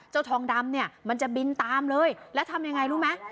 เจ้าทองดำมันจะบินตามเลยแล้วทำอย่างไรรู้ไหม